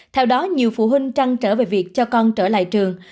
theo đó nhiều phụ huynh trăng trở về việc cho con trở lại trường